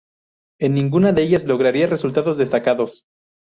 En ninguna de ellas lograría resultados destacados.